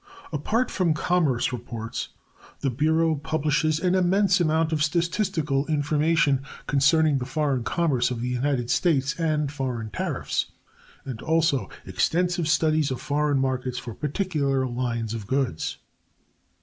Apart from Commerce Reports, the Bureau publishes an immense amount of statistical information concerning the foreign commerce of the United States and foreign tariffs, and also extensive studies of foreign markets for particular lines of goods.